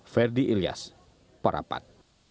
verdi ilyas parapat